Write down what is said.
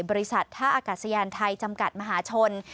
บริษัทท่าอากาศยานไทยจำกัดมหาชน